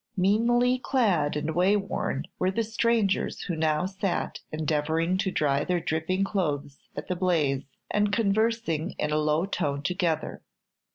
Meanly clad and wayworn were the strangers who now sat endeavoring to dry their dripping clothes at the blaze, and conversing in a low tone together.